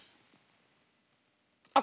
あっ